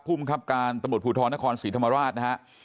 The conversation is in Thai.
ผู้มันคับการตมตรภูทรนครศรีธรรมราชนะครับ